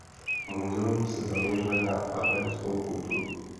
Muzeum se zaměřuje na arménskou kulturu.